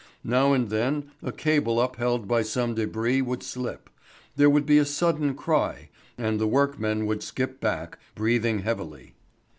Now and then a cable upheld by some débris would slip; there would be a sudden cry, and the workmen would skip back, breathing heavily.